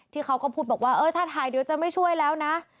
เขาก็พูดบอกว่าเออถ้าถ่ายเดี๋ยวจะไม่ช่วยแล้วนะ